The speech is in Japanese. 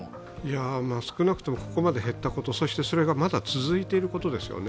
少なくともここまで減ったことそして、それがまだ続いていることですよね。